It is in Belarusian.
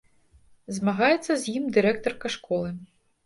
Змагаецца з ім дырэктарка школы.